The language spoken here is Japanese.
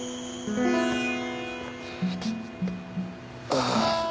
ああ。